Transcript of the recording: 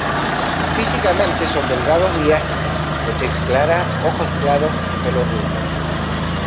Físicamente son delgados y ágiles, de tez clara, ojos claros y pelo rubio.